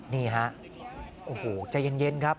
นี่ฮะโอ้โหใจเย็นครับ